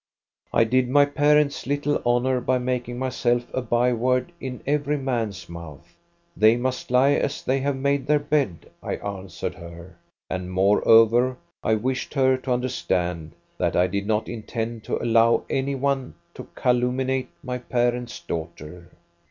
I did my parents little honor by mak ing myself a byword in every man's mouth. "' They must lie as they have made their bed/ I answered her. And morever I wished her to under stand, that I did not intend to allow any one to calum niate my parents' daughter.